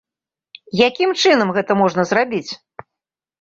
Якім чынам гэта можна зрабіць?